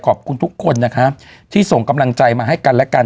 ขอบคุณทุกคนนะครับที่ส่งกำลังใจมาให้กันและกัน